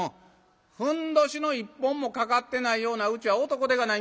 ふんどしの一本も掛かってないようなうちは男手がない。